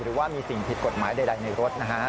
หรือว่ามีสิ่งผิดกฎหมายใดในรถนะฮะ